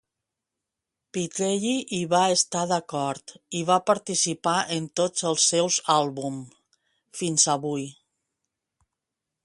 Pitrelli hi va estar d'acord i va participar en tots els seus àlbum fins avui.